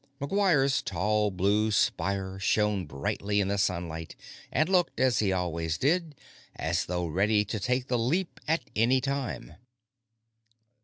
McGuire's tall blue spire shone brightly in the sunlight, and looked, as he always did, as though ready to take the leap at any time.